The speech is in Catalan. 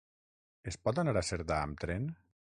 Es pot anar a Cerdà amb tren?